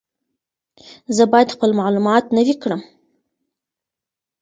زه باید خپل معلومات نوي کړم.